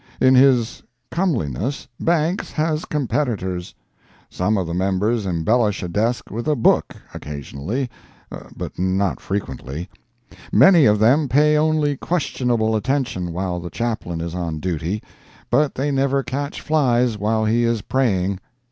In his comeliness, Banks has competitors. Some of the members embellish a desk with a book, occasionally, but not frequently. Many of them pay only questionable attention while the Chaplain is on duty, but they never catch flies while he is praying.